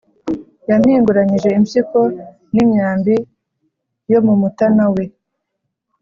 Yampinguranyije impyiko n’imyambi yo mu mutana we.